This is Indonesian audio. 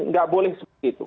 tidak boleh seperti itu